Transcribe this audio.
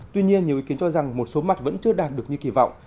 tuy nhiên nhiều ý kiến cho rằng một số mặt vẫn chưa đạt được như kỳ vọng